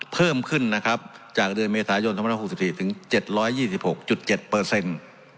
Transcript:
เพิ่มขึ้นนะครับจากเดือนเมษายน๒๖๔ถึง๗๒๖๗เปอร์เซ็นต์